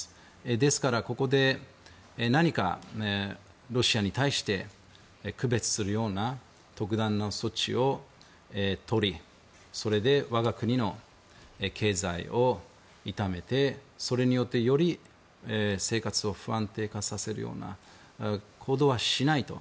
ですから、ここで何かロシアに対して区別するような特段な措置を取りそれで我が国の経済を痛めてそれによって、より生活を不安定化させるような行動はしないと。